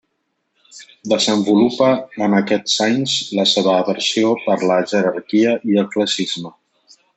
Desenvolupa en aquests anys la seva aversió per la jerarquia i el classisme.